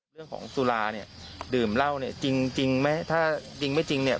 สุราเนี่ยดื่มเหล้าเนี่ยจริงไหมถ้าจริงไม่จริงเนี่ย